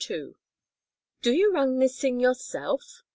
III "Do you run this thing yourself?"